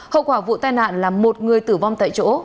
hậu quả vụ tai nạn là một người tử vong tại chỗ